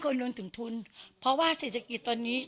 รวมถึงทุนเพราะว่าเศรษฐกิจตอนนี้